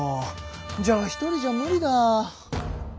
じゃあ１人じゃ無理だ。